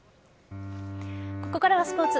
ここからはスポーツ。